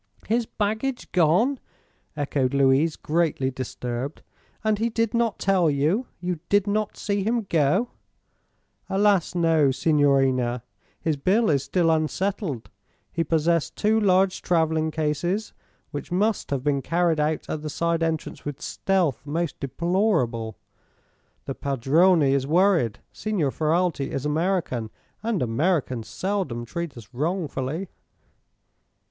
"His baggage gone!" echoed Louise, greatly disturbed. "And he did not tell you? You did not see him go?" "Alas, no, signorina. His bill is still unsettled. He possessed two large travelling cases, which must have been carried out at the side entrance with stealth most deplorable. The padrone is worried. Signor Ferralti is American, and Americans seldom treat us wrongfully."